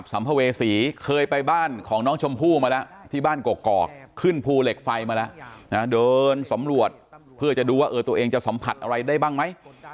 ัมภเวษีเคยไปบ้านของน้องชมพู่มาแล้วที่บ้านกอกขึ้นภูเหล็กไฟมาแล้วนะเดินสำรวจเพื่อจะดูว่าตัวเองจะสัมผัสอะไรได้บ้างไหม